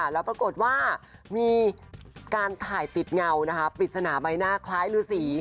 แล้วปรากฏว่ามีการถ่ายติดเงาปิดสนาใบหน้าคล้ายรือสี